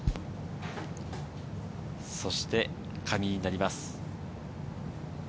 そして上井になります。